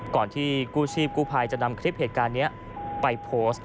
ที่กู้ชีพกู้ภัยจะนำคลิปเหตุการณ์นี้ไปโพสต์